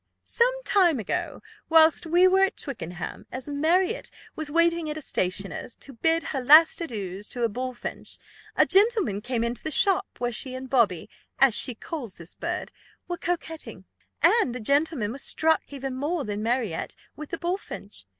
Some time ago, whilst we were at Twickenham, as Marriott was waiting at a stationer's, to bid her last adieus to a bullfinch, a gentleman came into the shop where she and Bobby (as she calls this bird) were coquetting, and the gentleman was struck even more than Marriott with the bullfinch.